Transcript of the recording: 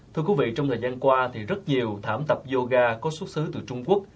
thưa quý vị trong thời gian qua thì rất nhiều thảm tập yoga có xuất xứ từ trung quốc